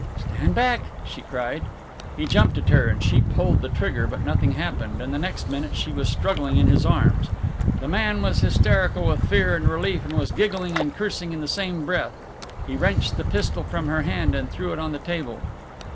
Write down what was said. "Stand back!" she cried. He jumped at her, and she pulled the trigger, but nothing happened, and the next minute she was struggling in his arms. The man was hysterical with fear and relief and was giggling and cursing in the same breath. He wrenched the pistol from her hand and threw it on the table.